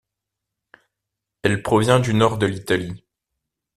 Elle provient du nord de l’Italie.